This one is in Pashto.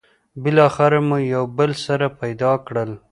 بالاخره مو یو بل سره پيدا کړل.